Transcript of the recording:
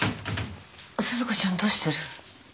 鈴子ちゃんどうしてる？